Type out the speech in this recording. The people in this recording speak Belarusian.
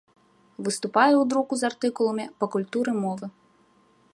Выступае ў друку з артыкуламі па культуры мовы.